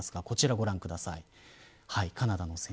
こちらをご覧ください。